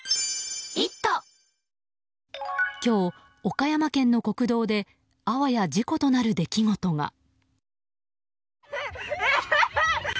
今日、岡山県の国道であわや事故となる出来事が。